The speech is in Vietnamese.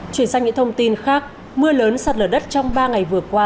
chuyển sang những thông tin khác mưa lớn sạt lở đất trong ba ngày vừa qua